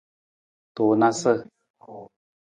Tunasa.